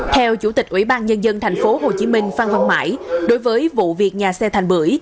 theo chủ tịch ubnd tp hcm phan văn mãi đối với vụ việc nhà xe thành bửi